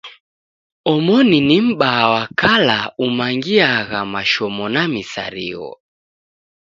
Omoni ni M'baa wa kala umangiagha mashomo na misarigho.